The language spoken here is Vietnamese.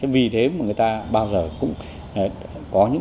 vì thế mà người ta bao giờ cũng có những chi thức dân gian để chọn nơi đảo diếng